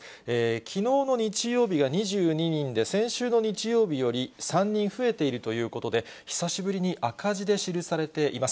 きのうの日曜日が２２人で、先週の日曜日より３人増えているということで、久しぶりに赤字で記されています。